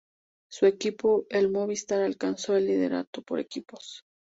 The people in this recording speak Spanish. Su equipo, el Movistar alcanzó el liderato por equipos.